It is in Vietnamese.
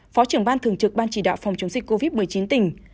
phó trưởng ban thường trực ban chỉ đạo phòng chống dịch covid một mươi chín tỉnh